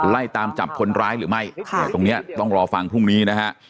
ไล่ตามจับคนร้ายหรือไม่ค่ะตรงเนี้ยต้องรอฟังพรุ่งนี้นะฮะ